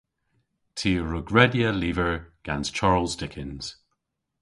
Ty a wrug redya lyver gans Charles Dickens.